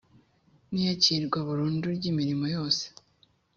n iyakirwa burundu ry imirimo yose